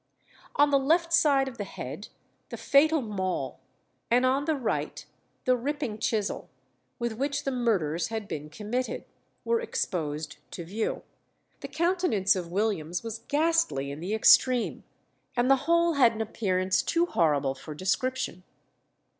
On the left side of the head the fatal mall, and on the right the ripping chisel, with which the murders had been committed, were exposed to view. The countenance of Williams was ghastly in the extreme, and the whole had an appearance too horrible for description."